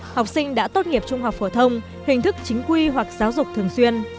học sinh đã tốt nghiệp trung học phổ thông hình thức chính quy hoặc giáo dục thường xuyên